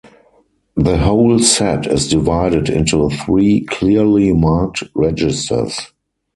The whole set is divided into three clearly marked registers.